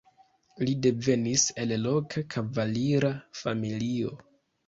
Li devenis el loka kavalira familio.